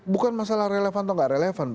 bukan masalah relevan atau nggak relevan